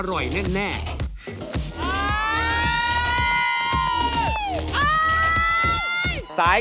พี่หลุยกับพี่พศใช่ไหมครับเขาดูเป็นผู้ใหญ่